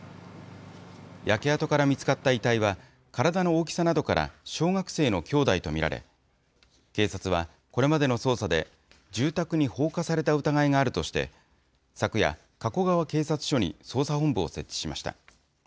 焼け跡から見つかった遺体は、体の大きさなどから、小学生の兄弟と見られ、警察はこれまでの捜査で、住宅に放火された疑いがあるとして、昨夜、加古川警察署に捜査本部を設置しました。